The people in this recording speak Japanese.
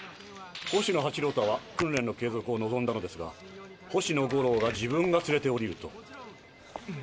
星野八郎太は訓練の継続を望んだのですが星野五郎が「自分が連れて降りる」と。